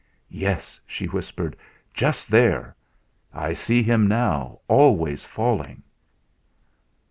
"Yes," she whispered; "Just there. I see him now always falling!"